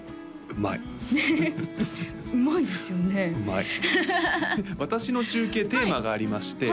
うまい私の中継テーマがありまして